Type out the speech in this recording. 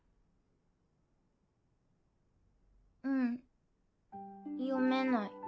うん読めない。